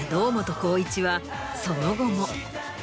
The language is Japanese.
その後も。